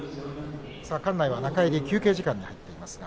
館内は中入り休憩時間に入っています。